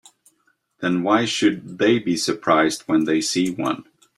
Then why should they be surprised when they see one?